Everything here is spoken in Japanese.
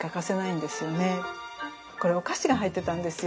これお菓子が入ってたんですよ。